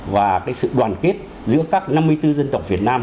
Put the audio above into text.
và sự đoàn kết giữa các năm mươi bốn dân tộc việt nam